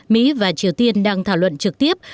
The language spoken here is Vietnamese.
mỹ và triều tiên đang thảo luận trực tiếp